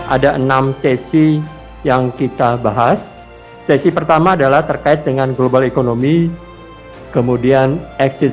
ada enam sesi yang kita bahas sesi pertama adalah terkait dengan global economy kemudian eksis